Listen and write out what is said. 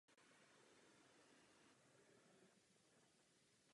Od té doby se již nemusejí uvádět jako součást adres.